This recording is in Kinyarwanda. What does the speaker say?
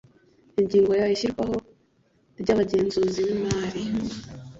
ingingo ya ishyirwaho ry abagenzuzi bi mari